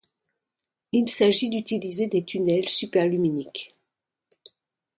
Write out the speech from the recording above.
Il s'agit d'utiliser des tunnels superluminiques.